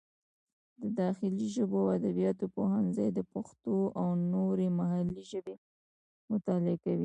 د داخلي ژبو او ادبیاتو پوهنځی د پښتو او نورې محلي ژبې مطالعه کوي.